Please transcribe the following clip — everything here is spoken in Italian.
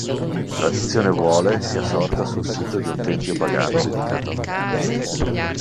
Tradizione vuole sia sorta sul sito di un tempio pagano dedicato a Minerva.